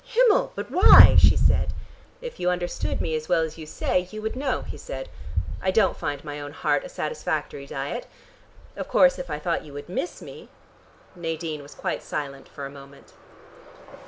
"Himmel, but why?" she said. "If you understood me as well as you say, you would know," he said. "I don't find my own heart a satisfactory diet. Of course, if I thought you would miss me " Nadine was quite silent for a moment.